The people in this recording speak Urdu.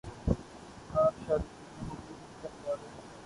آپ شادی شدہ ہو یا کنوارہ؟